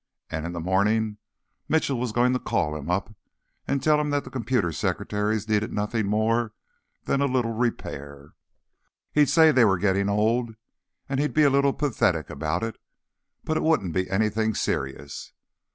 And in the morning Mitchell was going to call him up and tell him that the computer secretaries needed nothing more than a little repair. He'd say they were getting old, and he'd be a little pathetic about it; but it wouldn't be anything serious.